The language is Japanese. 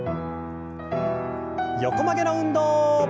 横曲げの運動。